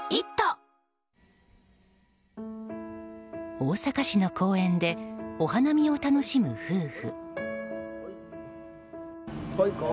大阪市の公園でお花見を楽しむ夫婦。